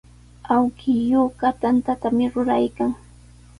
Awkilluuqa tantatami ruraykan.